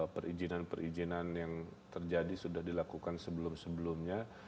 perizinan perizinan yang terjadi sudah dilakukan sebelum sebelumnya